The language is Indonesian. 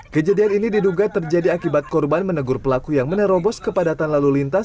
kejadian ini diduga terjadi akibat korban menegur pelaku yang menerobos kepadatan lalu lintas